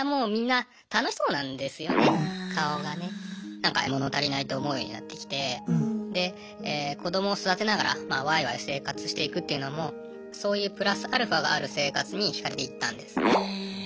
なんか物足りないと思うようになってきてで子どもを育てながらわいわい生活していくっていうそういう＋αがある生活にひかれていったんです。へえ。